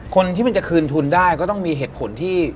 คนที่มันจะคืนทุนได้ก็ต้องมีเหตุผลที่